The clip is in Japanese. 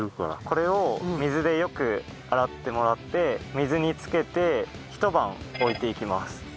これを水でよく洗ってもらって水に浸けて一晩置いていきます。